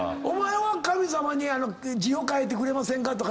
お前は神様に「字を書いてくれませんか」